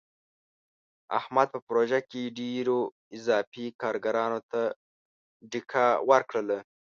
احمد په پروژه کې ډېرو اضافي کارګرانو ته ډیکه ورکړله.